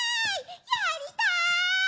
やりたい！